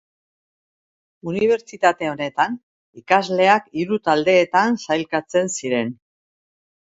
Unibertsitate honetan ikasleak hiru taldeetan sailkatzen ziren.